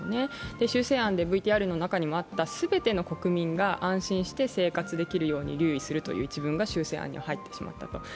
修正案でＶＴＲの中でもあった全ての国民が安心して生活できるようにという一文が修正に入ってしまったと。